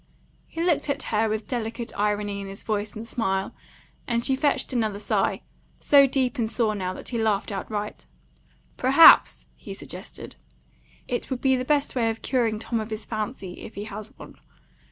He looked at her with delicate irony in his voice and smile, and she fetched another sigh, so deep and sore now that he laughed outright. "Perhaps," he suggested, "it would be the best way of curing Tom of his fancy, if he has one.